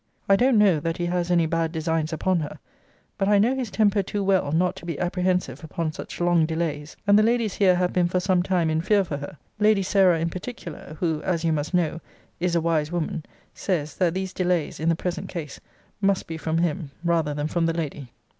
I don't know that he has any bad designs upon her; but I know his temper too well, not to be apprehensive upon such long delays: and the ladies here have been for some time in fear for her: Lady Sarah in particular, who (as you must know) is a wise woman, says, that these delays, in the present case, must be from him, rather than from the lady.